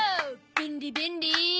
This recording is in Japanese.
便利便利！